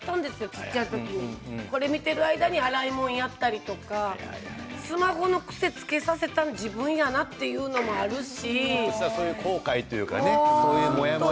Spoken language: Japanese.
小さい時にこれを見てる間に洗い物をやったりとかスマホの癖をつけさせたのは自分やなというのもあるし。